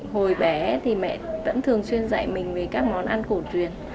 hồi bé thì mẹ vẫn thường xuyên dạy mình về các món ăn cổ truyền